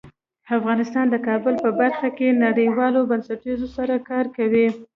افغانستان د کابل په برخه کې نړیوالو بنسټونو سره کار کوي.